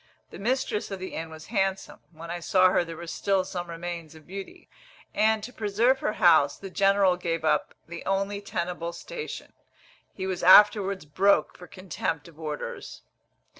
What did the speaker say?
The mistress of the inn was handsome; when I saw her there were still some remains of beauty; and, to preserve her house, the general gave up the only tenable station. He was afterwards broke for contempt of orders.